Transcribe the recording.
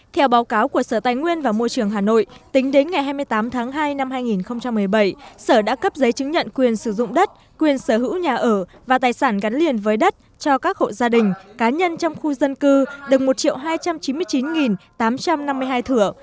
theo báo cáo của sở tài nguyên và môi trường hà nội tính đến ngày hai mươi tám tháng hai năm hai nghìn một mươi bảy sở đã cấp giấy chứng nhận quyền sử dụng đất quyền sở hữu nhà ở và tài sản gắn liền với đất cho các hộ gia đình cá nhân trong khu dân cư được một hai trăm chín mươi chín tám trăm năm mươi hai thửa